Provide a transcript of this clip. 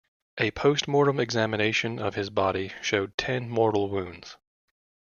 A post-mortem examination of his body showed ten mortal wounds.